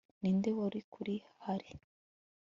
Ninde wari kuri hari